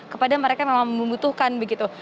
kepada mereka yang memang membutuhkan begitu